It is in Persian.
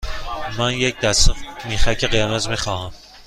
من یک دسته میخک قرمز می خواهم.